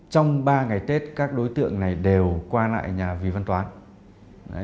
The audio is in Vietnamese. trong ba ngày tết các đối tượng này đều qua lại nhà vị văn toán